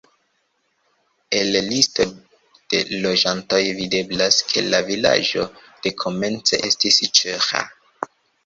El listo de loĝantoj videblas, ke la vilaĝo dekomence estis ĉeĥa.